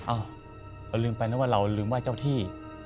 อ้าวลืมไปแล้วว่าเราลืมไหว้เจ้าที่